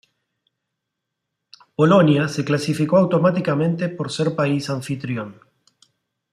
Polonia se clasificó automáticamente por ser país anfitrión.